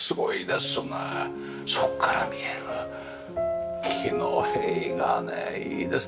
そこから見える木の塀がねいいです。